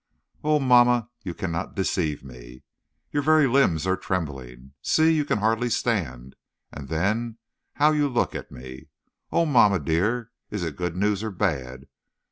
"Oh, mamma! you cannot deceive me. Your very limbs are trembling. See, you can hardly stand; and then, how you look at me! Oh, mamma, dear! is it good news or bad?